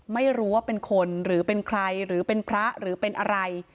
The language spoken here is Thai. ไม่รู้ว่าเป็นคนหรือเป็นใครหรือเป็นพระหรือเป็นอะไร